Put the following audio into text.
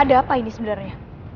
ada apa ini sebenarnya